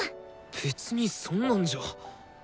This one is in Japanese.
別にそんなんじゃ。